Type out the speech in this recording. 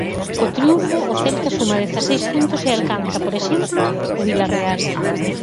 Co triunfo, o Celta suma dezaseis puntos e alcanza, por exemplo, o Vilarreal.